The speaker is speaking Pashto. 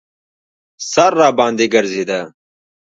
سر راباندې ګرځېده.